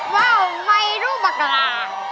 ว้าวไฟรูปโบกรา